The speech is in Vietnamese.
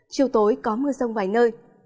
chiều tối có mưa rông vài nơi